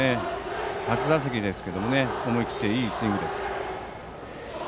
初打席ですが思い切って、いいスイングでした。